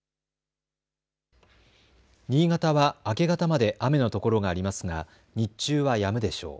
新潟は明け方まで雨の所がありますが日中はやむでしょう。